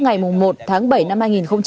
ngày một tháng bảy năm hai nghìn hai mươi